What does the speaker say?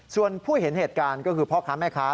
ส่วนผู้เห็นเหตุการณ์ก็คือพ่อค้าแม่ค้า